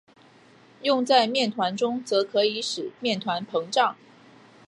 用在面团中则可以使面团膨胀。